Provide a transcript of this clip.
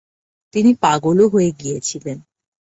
তিনি পাগল হয়েও গিয়েছিলেন।